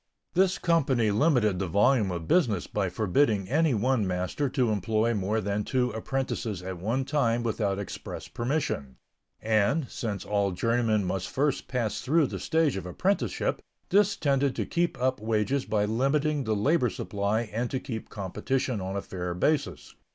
This company limited the volume of business by forbidding any one master to employ more than two apprentices at one time without express permission; and, since all journeymen must first pass through the stage of apprenticeship, this tended to keep up wages by limiting the labor supply and to keep competition on a fair basis.